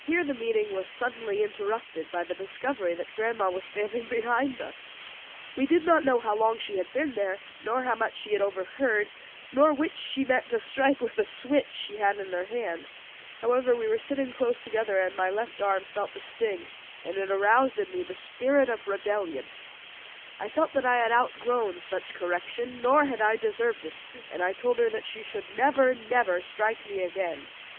Here the meeting was suddenly interrupted by the discovery that grandma was standing behind us. We did not know how long she had been there nor how much she had overheard, nor which she meant to strike with the switch she had in her hand. However, we were sitting close together and my left arm felt the sting, and it aroused in me the spirit of rebellion. I felt that I had outgrown such correction, nor had I deserved it; and I told her that she should never, never strike me again.